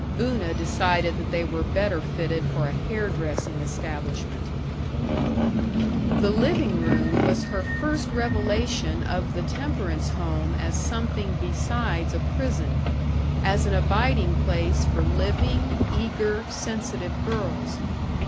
Una decided that they were better fitted for a hair dressing establishment. The living room was her first revelation of the Temperance Home as something besides a prison as an abiding place for living, eager, sensitive girls.